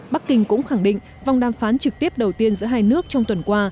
bắc kinh cũng khẳng định vòng đàm phán trực tiếp đầu tiên giữa hai nước trong tuần qua